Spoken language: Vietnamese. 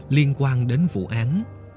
liên quan đến vụ án